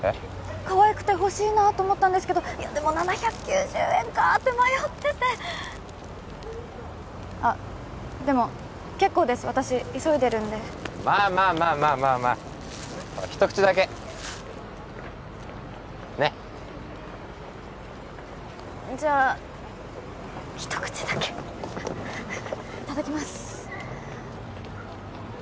かわいくてほしいなと思ったんですけどでも７９０円かって迷っててあっでも結構です私急いでるんでまあまあまあまあほら一口だけねっじゃあ一口だけいただきます